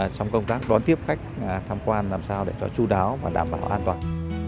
trong công tác đón tiếp khách tham quan làm sao để cho chú đáo và đảm bảo an toàn